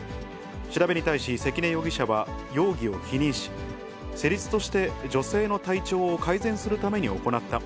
調べに対し、関根容疑者は容疑を否認し、施術として、女性の体調を改善するために行った。